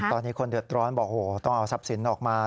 ตอนนี้คนเดือดร้อนบอกโอ้โหต้องเอาทรัพย์สินออกมา